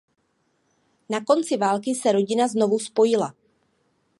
Na konci války se rodina znovu spojila.